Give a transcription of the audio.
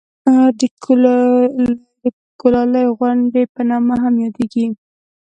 د کولالۍ غونډۍ په نامه هم یادېږي.